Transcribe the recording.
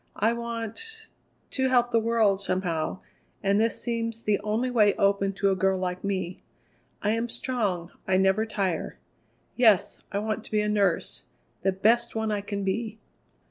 I want to help the world, somehow, and this seems the only way open to a girl like me. I am strong; I never tire. Yes; I want to be a nurse, the best one I can be."